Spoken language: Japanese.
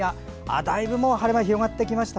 だいぶ晴れ間が広がってきました。